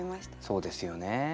そうですよね。